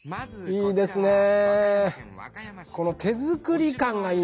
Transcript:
いいですねえ！